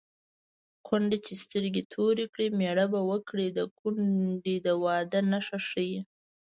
کونډه چې سترګې تورې کړي مېړه به وکړي د کونډې د واده نښه ښيي